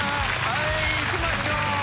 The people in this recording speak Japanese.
はいいきましょう。